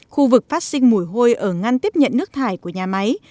khu vực phát sinh mùi hôi ở ngăn tiếp nhận nước thải của nhà máy